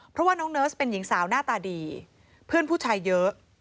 เพราะว่าน้องเนิร์สเป็นหญิงสาวหน้าตาดีเพื่อนผู้ชายเยอะ